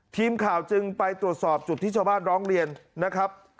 ทีมข่าวจึงไปตรวจสอบจุดที่ชาวบ้านร้องเรียนนะครับ